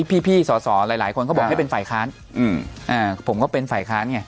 พี่สอสอหลายคนก็บอกให้เป็นฝ่ายค้านผมก็เป็นฝ่ายค้านไง